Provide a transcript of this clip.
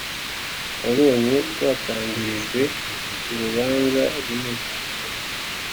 wabonye twatangirijwe urubanza runini,